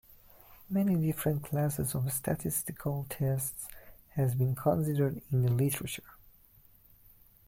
Many different classes of statistical tests have been considered in the literature.